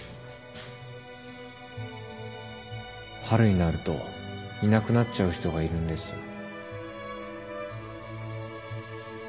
春になるといなくなっちゃう人がいるんです